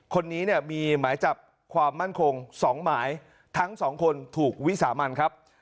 คนนี้เนี่ยมีหมายจับความมั่นคง๒หมายทั้งสองคนถูกวิสามันครับ